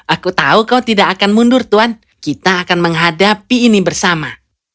aku tahu kau tidak akan mundur tuhan kita akan menghadapi ini bersama